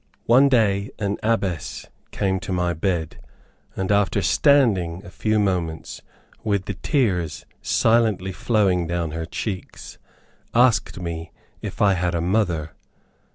One day an Abbess came to my bed, and after standing a few moments with the tears silently flowing down her cheeks, asked me if I had a mother.